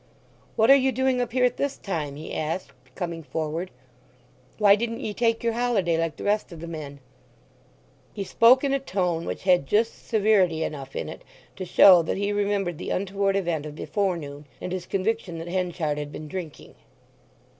"What are you doing up here at this time?" he asked, coming forward. "Why didn't ye take your holiday like the rest of the men?" He spoke in a tone which had just severity enough in it to show that he remembered the untoward event of the forenoon, and his conviction that Henchard had been drinking.